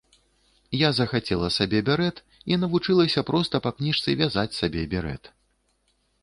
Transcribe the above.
Я захацела сабе берэт і навучылася проста па кніжцы вязаць сабе берэт.